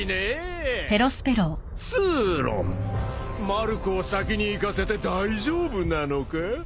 マルコを先に行かせて大丈夫なのか？